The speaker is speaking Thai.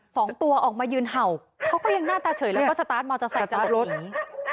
สองตัวออกมายืนเห่าเขาก็ยังหน้าตาเฉยแล้วก็สตาร์ทมอเตอร์ไซค์จะหลบหนี